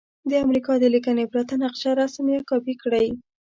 د امریکا د لیکنې پرته نقشه رسم یا کاپې کړئ.